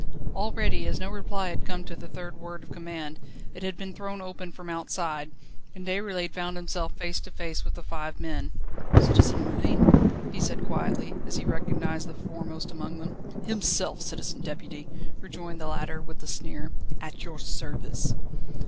Already, as no reply had come to the third word of command, it had been thrown open from outside, and Déroulède found himself face to face with the five men. "Citizen Merlin!" he said quietly, as he recognised the foremost among them. "Himself, Citizen Deputy," rejoined the latter, with a sneer, "at your service."